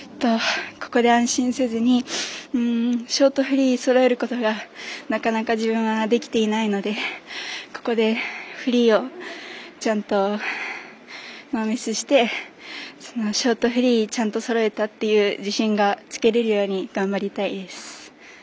ここで安心せずにショート、フリーそろえることがなかなか自分はできていないのでここで、フリーをちゃんとノーミスしてショート、フリーちゃんとそろえたという自信がつけられるように頑張りたいです。